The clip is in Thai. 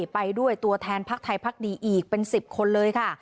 ไปด้วยตัวแทนพักไทยพักดีอีกเป็น๑๐คนเลยค่ะ